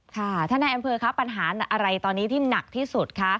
ค่ะท่านนายอำเภอคะปัญหาอะไรตอนนี้ที่หนักที่สุดคะ